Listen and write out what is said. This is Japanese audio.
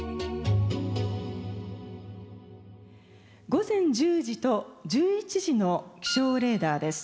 午前１０時と１１時の気象レーダーです。